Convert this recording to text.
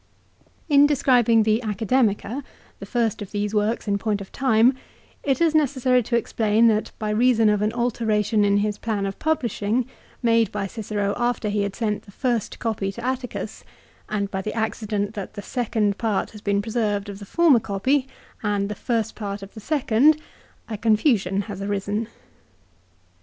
In describing the Academica, the first of these works in point of time, it is necessary to explain that by reason of an alteration in his plan of publishing made by Cicero after he had sent the first copy to Atticus ; and by the accident that the second part has been preserved of the former copy, and the first part of the second, a confusion has arisen.